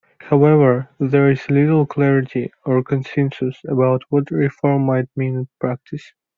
However, there is little clarity or consensus about what reform might mean in practice.